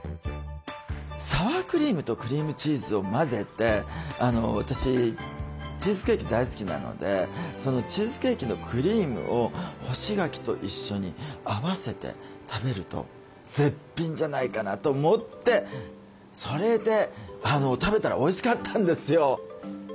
サワークリームとクリームチーズを混ぜて私チーズケーキ大好きなのでそのチーズケーキのクリームを干し柿と一緒に合わせて食べると絶品じゃないかなと思ってそれで食べたらおいしかったんですよ。